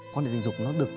quan hệ tình dục nó được